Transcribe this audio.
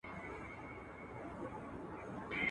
مېلمانه یې د مرګي لوی ډاکټران کړل.